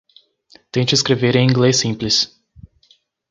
Tente escrever em inglês simples.